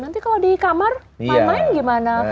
nanti kalau di kamar main gimana